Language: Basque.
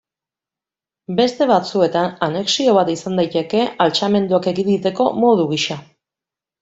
Beste batzuetan anexio bat izan daiteke, altxamenduak ekiditeko modu gisa.